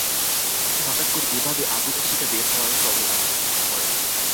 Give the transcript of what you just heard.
কিন্তু হঠাৎ করে এভাবে আগুনের শিখা বের হওয়ায় সবাই আতঙ্কিত হয়ে পড়েন।